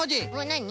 なに？